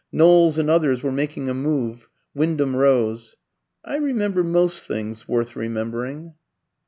Knowles and others were making a move. Wyndham rose. "I remember most things worth remembering."